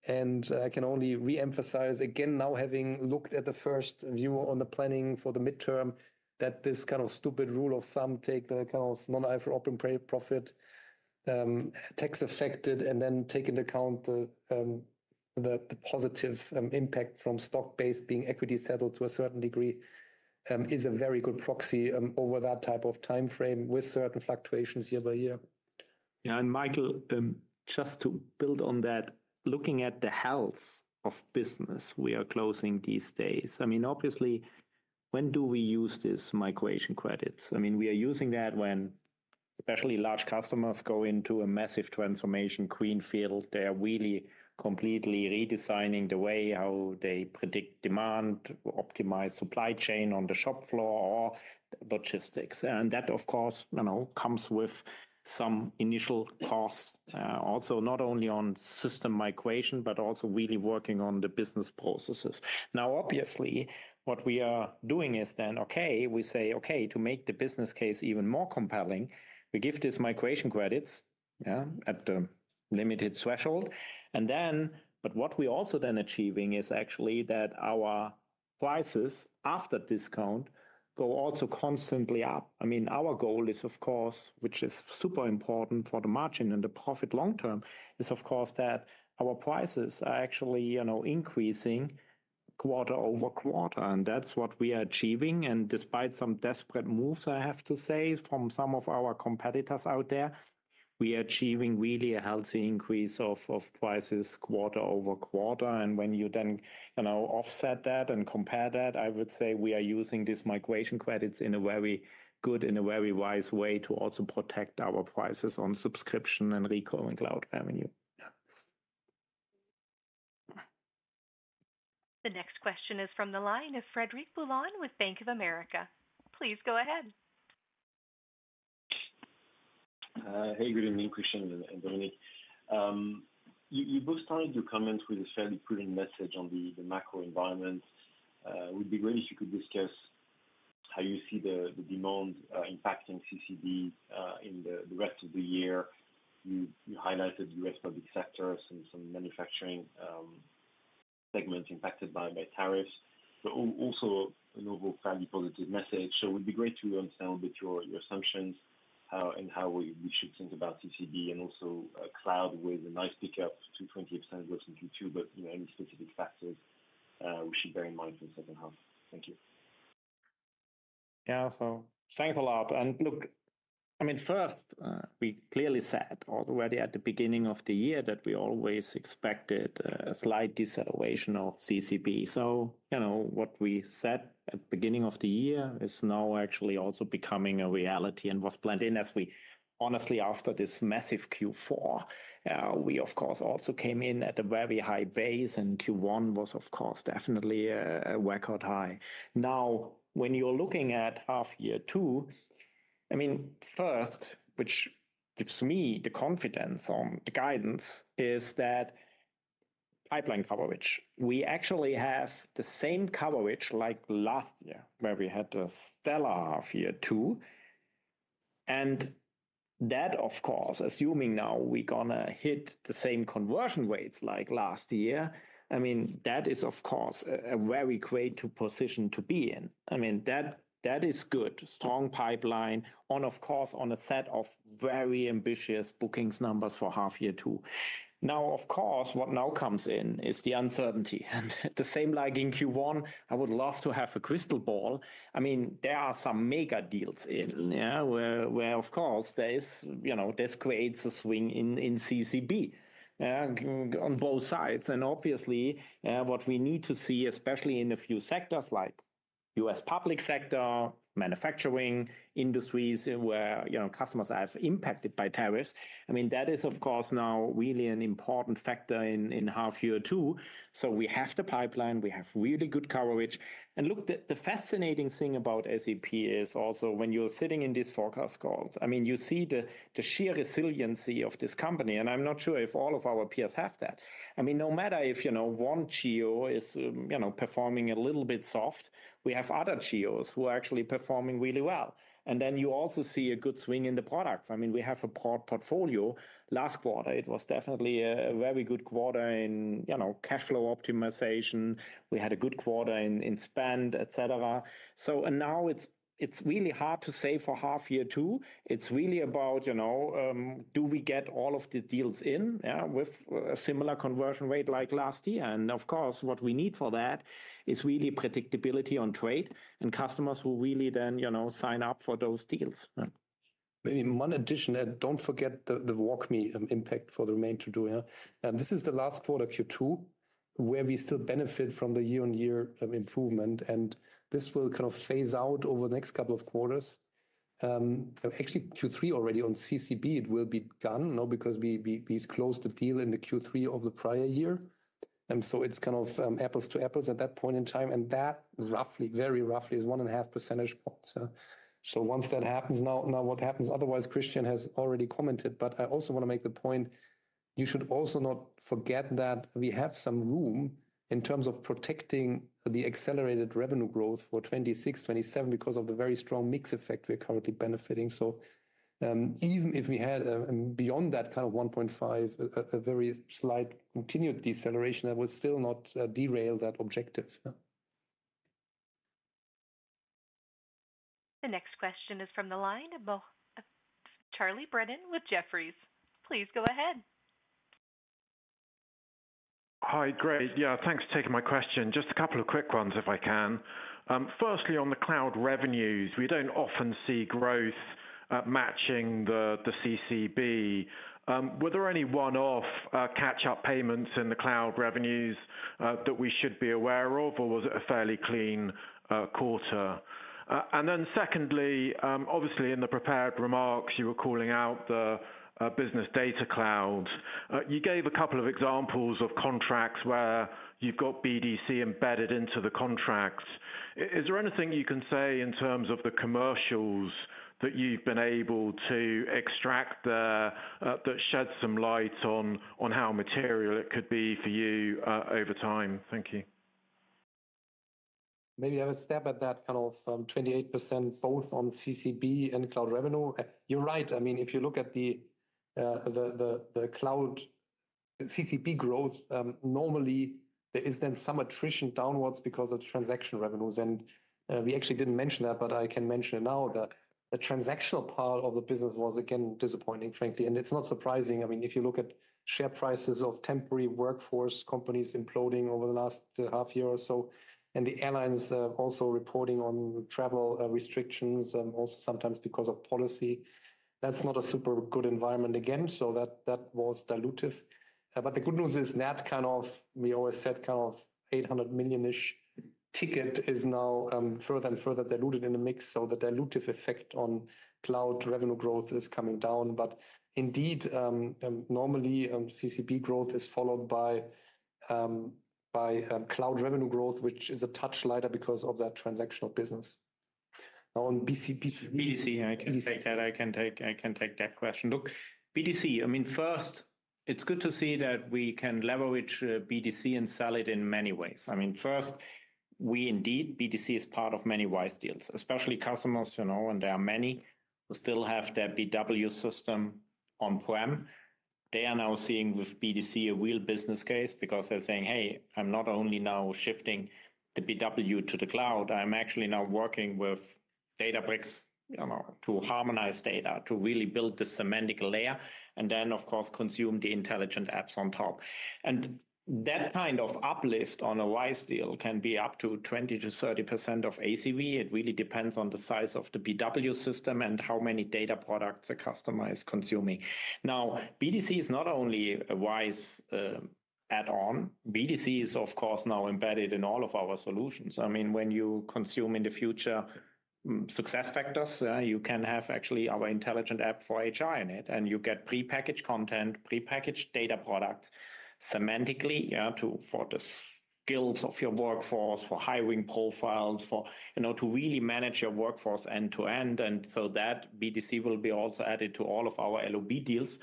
I can only reemphasize again, now having looked at the first view on the planning for the midterm, that this kind of stupid rule of thumb, take the kind of non-IFRS operating profit, tax-affected, and then take into account the positive impact from stock-based being equity settled to a certain degree, is a very good proxy over that type of time frame with certain fluctuations year by year. Yeah. Michael, just to build on that, looking at the health of business we are closing these days, I mean, obviously, when do we use these migration credits? I mean, we are using that when especially large customers go into a massive transformation greenfield. They are really completely redesigning the way how they predict demand, optimize supply chain on the shop floor, or logistics. That, of course, comes with some initial costs also, not only on system migration, but also really working on the business processes. Now, obviously, what we are doing is then, okay, we say, okay, to make the business case even more compelling, we give these migration credits at the limited threshold. What we also then achieving is actually that our prices after discount go also constantly up. I mean, our goal is, of course, which is super important for the margin and the profit long term, is of course that our prices are actually increasing quarter over quarter. That is what we are achieving. Despite some desperate moves, I have to say, from some of our competitors out there, we are achieving really a healthy increase of prices quarter over quarter. When you then offset that and compare that, I would say we are using these migration credits in a very good, in a very wise way to also protect our prices on subscription and recurring cloud revenue. The next question is from the line of Frederic Boulan with Bank of America. Please go ahead. Hey, good evening, Christian and Dominik. You both started your comments with a fairly prudent message on the macro environment. It would be great if you could discuss how you see the demand impacting CCB in the rest of the year. You highlighted the U.S. public sector and some manufacturing segments impacted by tariffs. Also a fairly positive message. It would be great to understand a bit your assumptions and how we should think about CCB and also cloud with a nice pickup to 20% in Q2, but any specific factors we should bear in mind for the second half. Thank you. Yeah, thanks a lot. I mean, first, we clearly said already at the beginning of the year that we always expected a slight deceleration of CCB. What we said at the beginning of the year is now actually also becoming a reality and was planned in as we honestly, after this massive Q4, we of course also came in at a very high base and Q1 was of course definitely a record high. Now, when you're looking at half year two, I mean, first, which gives me the confidence on the guidance is that pipeline coverage, we actually have the same coverage like last year where we had a stellar half year two. That, of course, assuming now we're going to hit the same conversion rates like last year, I mean, that is of course a very great position to be in. I mean, that is good, strong pipeline on, of course, on a set of very ambitious bookings numbers for half year two. Now, of course, what now comes in is the uncertainty. The same like in Q1, I would love to have a crystal ball. I mean, there are some mega deals in, yeah, where of course this creates a swing in CCB on both sides. Obviously, what we need to see, especially in a few sectors like U.S. public sector, manufacturing industries where customers are impacted by tariffs, that is of course now really an important factor in half year two. We have the pipeline, we have really good coverage. Look, the fascinating thing about SAP is also when you're sitting in these forecast calls, you see the sheer resiliency of this company. I'm not sure if all of our peers have that. No matter if one GEO is performing a little bit soft, we have other GEOs who are actually performing really well. You also see a good swing in the products. We have a broad portfolio. Last quarter, it was definitely a very good quarter in cash flow optimization. We had a good quarter in spend, etc. Now it's really hard to say for half year two. It's really about, do we get all of the deals in with a similar conversion rate like last year? Of course, what we need for that is really predictability on trade and customers who really then sign up for those deals. Maybe one addition there, do not forget the WalkMe impact for the remaining to-do. This is the last quarter, Q2, where we still benefit from the year-on-year improvement. This will kind of phase out over the next couple of quarters. Actually, Q3 already on CCB, it will be done now because we closed the deal in the Q3 of the prior year. It's kind of apples to apples at that point in time. That roughly, very roughly, is one and a half percentage points. Once that happens, now what happens? Otherwise, Christian has already commented, but I also want to make the point, you should also not forget that we have some room in terms of protecting the accelerated revenue growth for 2026, 2027 because of the very strong mix effect we are currently benefiting. So even if we had beyond that kind of 1.5, a very slight continued deceleration, that would still not derail that objective. The next question is from the line of Charles Brennan with Jefferies. Please go ahead. Hi, great. Yeah, thanks for taking my question. Just a couple of quick ones if I can. Firstly, on the cloud revenues, we do not often see growth matching the CCB. Were there any one-off catch-up payments in the cloud revenues that we should be aware of, or was it a fairly clean quarter? Secondly, obviously in the prepared remarks, you were calling out the Business Data Cloud. You gave a couple of examples of contracts where you have got BDC embedded into the contracts. Is there anything you can say in terms of the commercials that you have been able to extract that sheds some light on how material it could be for you over time? Thank you. Maybe I would step at that kind of 28% both on CCB and cloud revenue. You are right. I mean, if you look at the cloud CCB growth, normally there is then some attrition downwards because of transaction revenues. We actually did not mention that, but I can mention it now. The transactional part of the business was again disappointing, frankly. It is not surprising. I mean, if you look at share prices of temporary workforce companies imploding over the last half year or so, and the airlines also reporting on travel restrictions, also sometimes because of policy, that is not a super good environment again. That was dilutive. The good news is that kind of, we always said kind of $800 million-ish ticket is now further and further diluted in the mix. The dilutive effect on cloud revenue growth is coming down. Indeed, normally CCB growth is followed by cloud revenue growth, which is a touch lighter because of that transactional business. Now on BDC, I can take that. I can take that question. Look, BDC, I mean, first, it is good to see that we can leverage BDC and sell it in many ways. I mean, first, we indeed, BDC is part of many RISE deals, especially customers, you know, and there are many who still have their BW system on prem. They are now seeing with BDC a real business case because they're saying, hey, I'm not only now shifting the BW to the cloud, I'm actually now working with Databricks to harmonize data, to really build the semantic layer, and then of course consume the intelligent apps on top. That kind of uplift on a wise deal can be up to 20-30% of ACV. It really depends on the size of the BW system and how many data products a customer is consuming. Now, BDC is not only a RISE add-on. BDC is of course now embedded in all of our solutions. I mean, when you consume in the future SuccessFactors, you can have actually our intelligent app for HR in it, and you get pre-packaged content, pre-packaged data products semantically for the skills of your workforce, for hiring profiles, for to really manage your workforce end to end. That BDC will be also added to all of our LOB deals.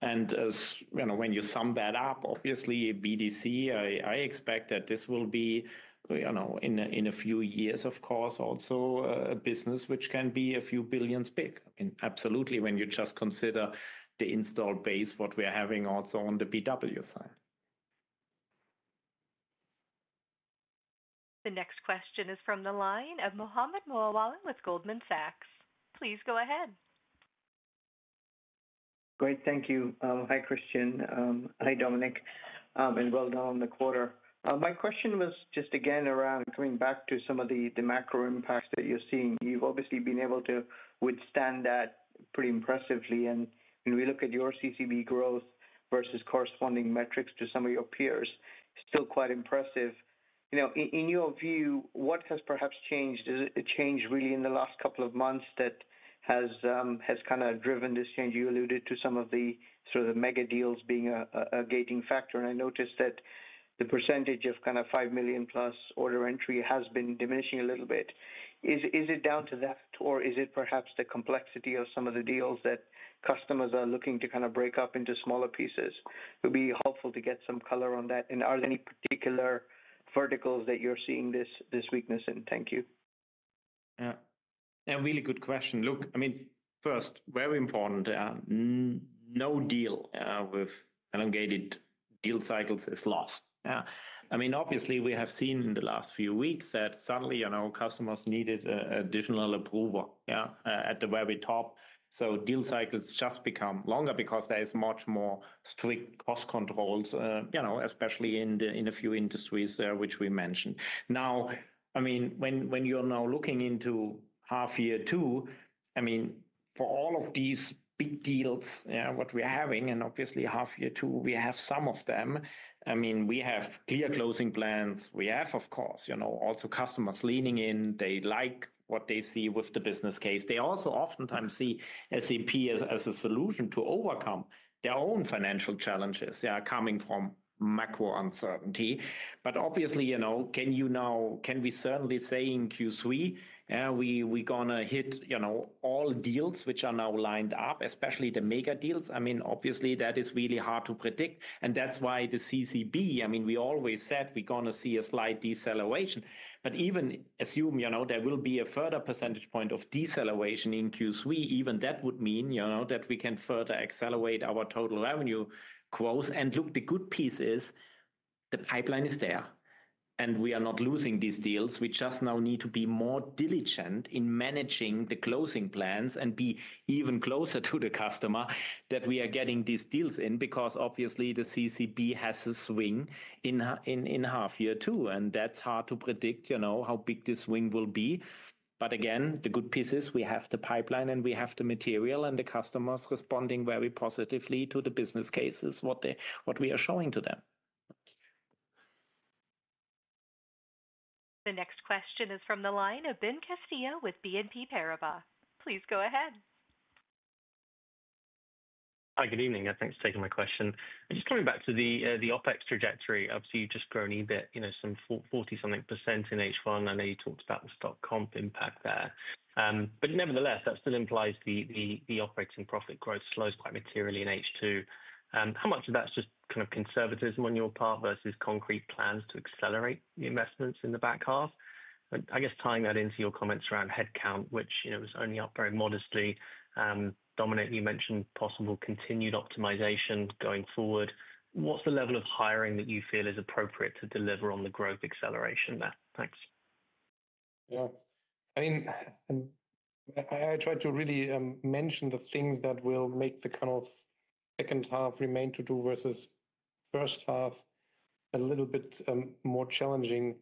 When you sum that up, obviously BDC, I expect that this will be in a few years, of course, also a business which can be a few billions big. Absolutely, when you just consider the installed base, what we are having also on the BW side. The next question is from the line of Mohammed Moawalla with Goldman Sachs. Please go ahead. Great, thank you. Hi Christian, hi Dominik, and well done on the quarter. My question was just again around coming back to some of the macro impacts that you're seeing. You've obviously been able to withstand that pretty impressively. When we look at your CCB growth versus corresponding metrics to some of your peers, still quite impressive. In your view, what has perhaps changed? Has it changed really in the last couple of months that has kind of driven this change? You alluded to some of the sort of mega deals being a gating factor. I noticed that the percentage of kind of $5 million plus order entry has been diminishing a little bit. Is it down to that, or is it perhaps the complexity of some of the deals that customers are looking to kind of break up into smaller pieces? It would be helpful to get some color on that. Are there any particular verticals that you're seeing this weakness in? Thank you. Yeah, a really good question. Look, I mean, first, very important, no deal with elongated deal cycles is lost. I mean, obviously we have seen in the last few weeks that suddenly customers needed additional approval at the very top. Deal cycles just become longer because there is much more strict cost controls, especially in a few industries which we mentioned. Now, I mean, when you're now looking into half year two, I mean, for all of these big deals, what we are having, and obviously half year two, we have some of them. I mean, we have clear closing plans. We have, of course, also customers leaning in. They like what they see with the business case. They also oftentimes see SAP as a solution to overcome their own financial challenges coming from macro uncertainty. Obviously, can you now, can we certainly say in Q3 we're going to hit all deals which are now lined up, especially the mega deals? I mean, obviously that is really hard to predict. That is why the CCB, I mean, we always said we're going to see a slight deceleration. Even assume there will be a further percentage point of deceleration in Q3, even that would mean that we can further accelerate our total revenue growth. Look, the good piece is the pipeline is there. We are not losing these deals. We just now need to be more diligent in managing the closing plans and be even closer to the customer that we are getting these deals in because obviously the CCB has a swing in half year two. That is hard to predict how big this swing will be. Again, the good piece is we have the pipeline and we have the material and the customers responding very positively to the business cases, what we are showing to them. The next question is from the line of Ben Castillo-Bernaus with BNP Paribas. Please go ahead. Hi, good evening. Thanks for taking my question. Just coming back to the OpEx trajectory, obviously you've just grown even some 40-something % in H1. I know you talked about the stock comp impact there. Nevertheless, that still implies the operating profit growth slows quite materially in H2. How much of that's just kind of conservatism on your part versus concrete plans to accelerate the investments in the back half? I guess tying that into your comments around headcount, which was only up very modestly. Dominik, you mentioned possible continued optimization going forward. What's the level of hiring that you feel is appropriate to deliver on the growth acceleration there? Thanks. Yeah, I mean, I tried to really mention the things that will make the kind of second half remain to do versus first half a little bit more challenging.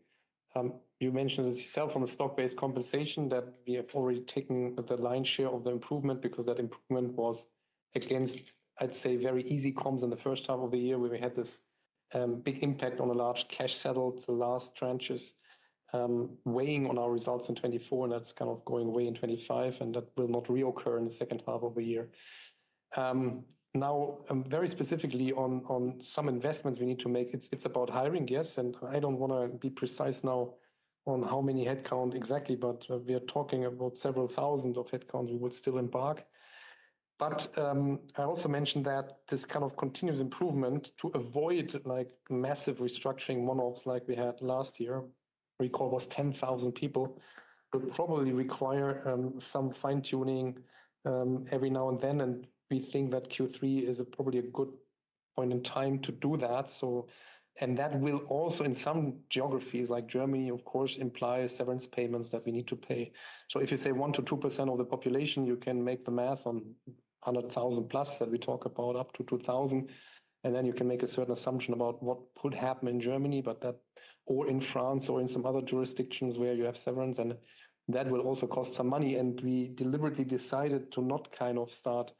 You mentioned it yourself on the stock-based compensation that we have already taken the lion's share of the improvement because that improvement was against, I'd say, very easy comps in the first half of the year where we had this big impact on a large cash settle to last tranches, weighing on our results in 2024, and that's kind of going away in 2025, and that will not reoccur in the second half of the year. Now, very specifically on some investments we need to make, it's about hiring, yes. I don't want to be precise now on how many headcount exactly, but we are talking about several thousand of headcount we would still embark. I also mentioned that this kind of continuous improvement to avoid massive restructuring one-offs like we had last year, recall was 10,000 people, would probably require some fine-tuning every now and then. We think that Q3 is probably a good point in time to do that. That will also in some geographies like Germany, of course, imply severance payments that we need to pay. If you say 1-2% of the population, you can make the math on 100,000 plus that we talk about, up to 2,000. You can make a certain assumption about what could happen in Germany, or in France, or in some other jurisdictions where you have severance. That will also cost some money. We deliberately decided to not kind of start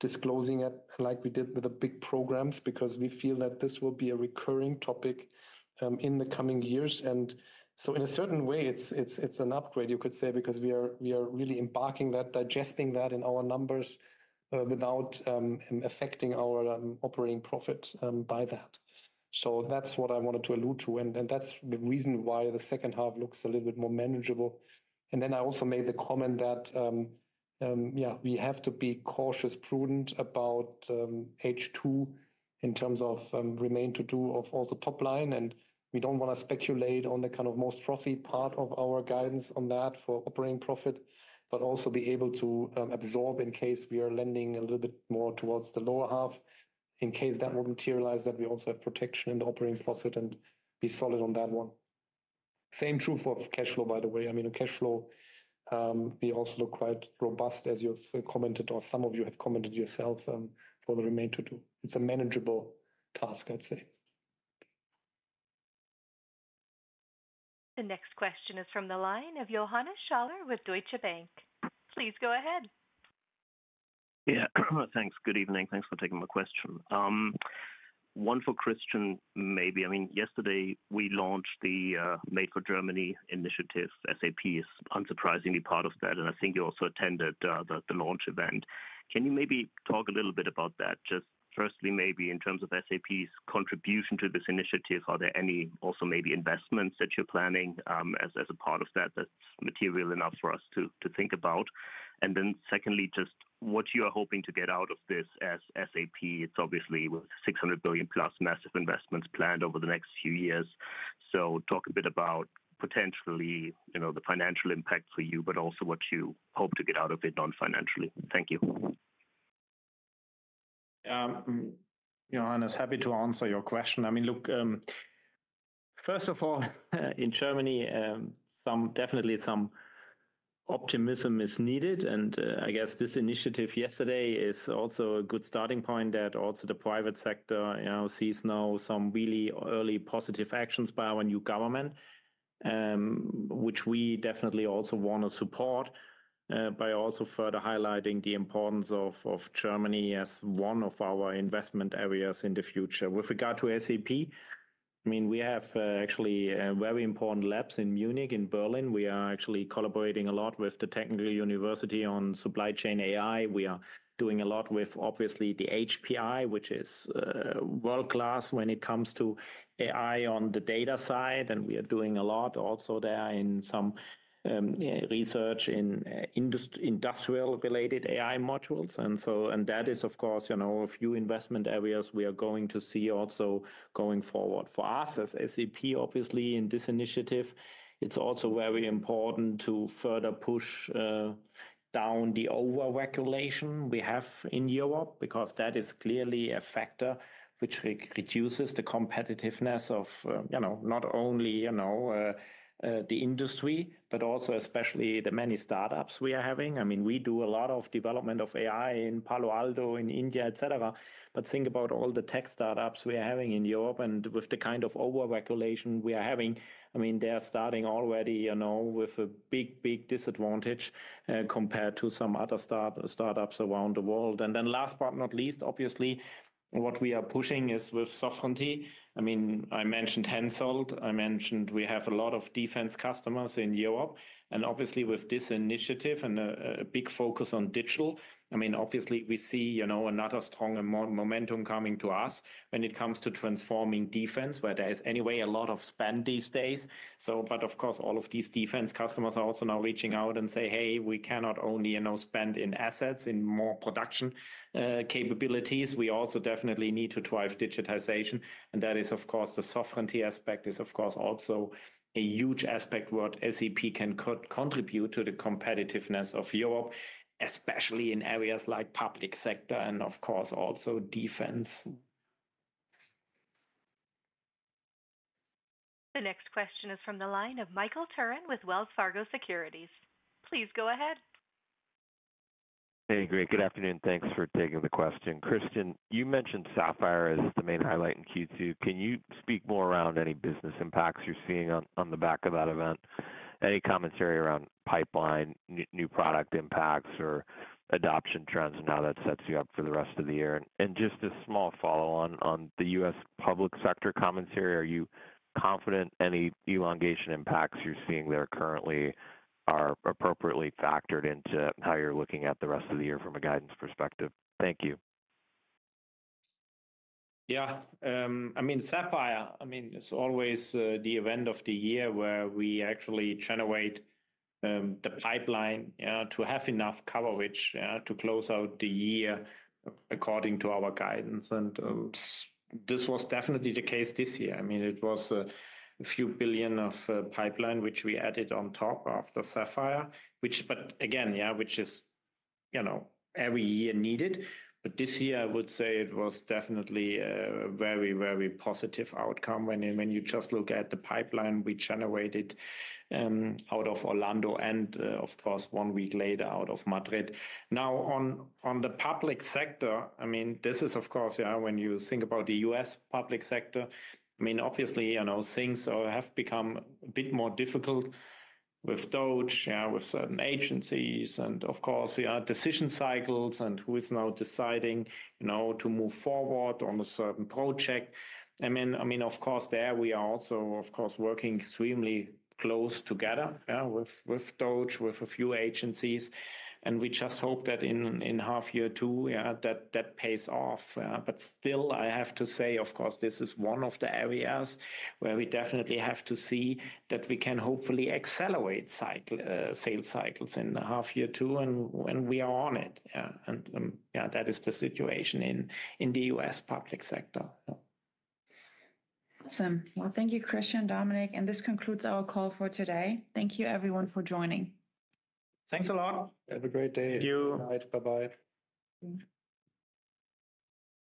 disclosing it like we did with the big programs because we feel that this will be a recurring topic in the coming years. In a certain way, it's an upgrade, you could say, because we are really embarking that, digesting that in our numbers without affecting our operating profit by that. That's what I wanted to allude to. That's the reason why the second half looks a little bit more manageable. I also made the comment that, yeah, we have to be cautious, prudent about H2 in terms of remain to do of all the top line. We don't want to speculate on the kind of most frothy part of our guidance on that for operating profit, but also be able to absorb in case we are lending a little bit more towards the lower half in case that would materialize that we also have protection in the operating profit and be solid on that one. Same truth of cash flow, by the way. I mean, cash flow, we also look quite robust, as you've commented, or some of you have commented yourself for the remain to do. It's a manageable task, I'd say. The next question is from the line of Johannes Schaller with Deutsche Bank. Please go ahead. Yeah, thanks. Good evening. Thanks for taking my question. One for Christian maybe. I mean, yesterday we launched the Made for Germany initiative. SAP is unsurprisingly part of that. I think you also attended the launch event. Can you maybe talk a little bit about that? Just firstly, maybe in terms of SAP's contribution to this initiative, are there any also maybe investments that you're planning as a part of that that's material enough for us to think about? Secondly, just what you are hoping to get out of this as SAP? It's obviously with €600 billion plus massive investments planned over the next few years. Talk a bit about potentially the financial impact for you, but also what you hope to get out of it non-financially. Thank you. Johannes, happy to answer your question. I mean, look, first of all, in Germany, definitely some optimism is needed. I guess this initiative yesterday is also a good starting point that also the private sector sees now some really early positive actions by our new government, which we definitely also want to support by also further highlighting the importance of Germany as one of our investment areas in the future. With regard to SAP, I mean, we have actually very important labs in Munich, in Berlin. We are actually collaborating a lot with the Technical University on supply chain AI. We are doing a lot with obviously the HPI, which is world-class when it comes to AI on the data side. We are doing a lot also there in some research in industrial-related AI modules. That is, of course, a few investment areas we are going to see also going forward. For us as SAP, obviously in this initiative, it's also very important to further push down the overregulation we have in Europe because that is clearly a factor which reduces the competitiveness of not only the industry, but also especially the many startups we are having. I mean, we do a lot of development of AI in Palo Alto, in India, etc. Think about all the tech startups we are having in Europe and with the kind of overregulation we are having. I mean, they are starting already with a big, big disadvantage compared to some other startups around the world. Last but not least, obviously, what we are pushing is with Sovereign Cloud. I mean, I mentioned Hensoldt. I mentioned we have a lot of defense customers in Europe. Obviously, with this initiative and a big focus on digital, I mean, obviously we see another strong momentum coming to us when it comes to transforming defense, where there is anyway a lot of spend these days. Of course, all of these defense customers are also now reaching out and say, hey, we cannot only spend in assets, in more production capabilities. We also definitely need to drive digitization. That is, of course, the Sovereignty aspect is, of course, also a huge aspect what SAP can contribute to the competitiveness of Europe, especially in areas like public sector and, of course, also defense. The next question is from the line of Michael Turrin with Wells Fargo Securities. Please go ahead. Hey, great. Good afternoon. Thanks for taking the question. Christian, you mentioned Sapphire as the main highlight in Q2. Can you speak more around any business impacts you're seeing on the back of that event? Any commentary around pipeline, new product impacts, or adoption trends and how that sets you up for the rest of the year? Just a small follow-on on the U.S. public sector commentary. Are you confident any elongation impacts you're seeing there currently are appropriately factored into how you're looking at the rest of the year from a guidance perspective? Thank you. Yeah. I mean, Sapphire, I mean, it's always the event of the year where we actually generate the pipeline to have enough coverage to close out the year according to our guidance. This was definitely the case this year. I mean, it was a few billion of pipeline which we added on top of the Sapphire, which, again, yeah, which is every year needed. This year, I would say it was definitely a very, very positive outcome when you just look at the pipeline we generated out of Orlando and, of course, one week later out of Madrid. Now, on the public sector, I mean, this is, of course, when you think about the U.S. public sector, I mean, obviously, things have become a bit more difficult with DOGE, with certain agencies. Of course, decision cycles and who is now deciding to move forward on a certain project. I mean, of course, there we are also, of course, working extremely close together with DOGE, with a few agencies. We just hope that in half year two, that pays off. Still, I have to say, of course, this is one of the areas where we definitely have to see that we can hopefully accelerate sales cycles in half year two and when we are on it. Yeah, that is the situation in the U.S. public sector. Awesome. Thank you, Christian and Dominik. This concludes our call for today. Thank you, everyone, for joining. Thanks a lot. Have a great day. Thank you. Bye-bye.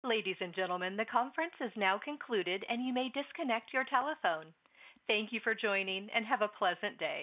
Ladies and gentlemen, the conference is now concluded and you may disconnect your telephone. Thank you for joining and have a pleasant day.